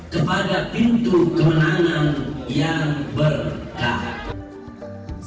kepada pintu kemenangan yang berkah